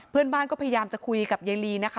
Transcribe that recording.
เพื่อนบ้านก็พยายามจะคุยกับยายลีนะคะ